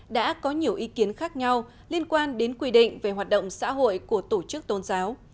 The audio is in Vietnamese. đã có nhiều ý kiến khác nhau liên quan đến quy định về hoạt động xã hội của tổ chức tôn giáo